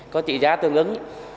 có trị giá tương ứng